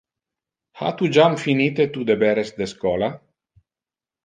Ha tu jam finite tu deberes de schola?